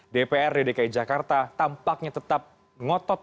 dprd dki jakarta tampaknya tetap ngotot